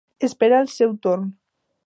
Espera el seu torn.